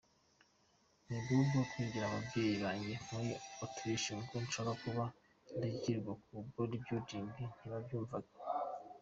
Ndibuka mbwira ababyeyi banjye muri Autriche ko nshaka kuba indashyikirwa muri bodybuilding, ntibabyumvaga.